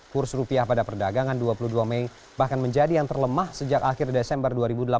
kurs rupiah pada perdagangan dua puluh dua mei bahkan menjadi yang terlemah sejak akhir desember dua ribu delapan belas